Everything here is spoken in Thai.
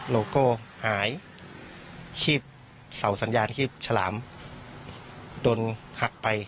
โลโก้หายคีบเสาสัญญาณคีบฉลามโดนหักไป